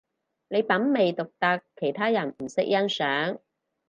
你品味獨特，其他人唔識欣賞